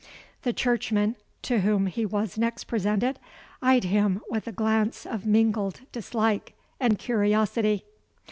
The churchman, to whom he was next presented, eyed him with a glance of mingled dislike and curiosity.